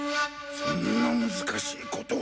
そんな難しいことを。